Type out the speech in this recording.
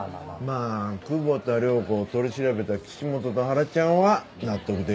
まあ久保田涼子を取り調べた岸本とハラちゃんは納得できないよな。